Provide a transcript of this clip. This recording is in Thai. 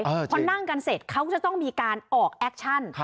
พอนั่งกันเสร็จเขาก็จะต้องมีการออกแอคชั่น